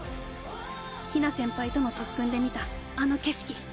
ひな先輩との特訓で見たあの景色